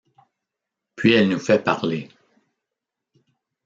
Puis elle nous fait parler.